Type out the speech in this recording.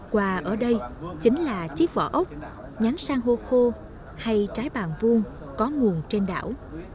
quà ở đây chính là chiếc vỏ ốc nhắn sang hô khô hay trái bàn vuông có nguồn trên đảo